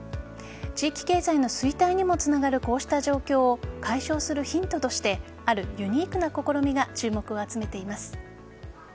地域経済の衰退にもつながるこうした状況を解消するヒントとしてあるユニークな試みが注目を集めています。